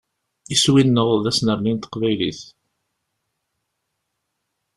Iswi-nneɣ d asnerni n teqbaylit.